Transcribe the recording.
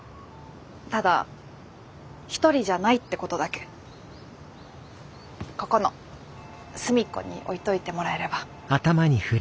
ただ一人じゃないってことだけここの隅っこに置いといてもらえれば。